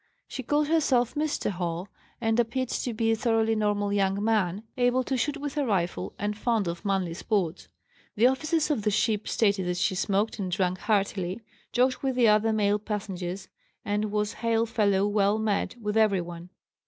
She called herself "Mr. Hall" and appeared to be a thoroughly normal young man, able to shoot with a rifle and fond of manly sports. The officers of the ship stated that she smoked and drank heartily, joked with the other male passengers, and was hail fellow well met with everyone.